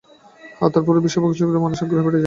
হ্যাঁ, তারপরই সেবিষয়ে মানুষের আগ্রহ বেড়ে যায়।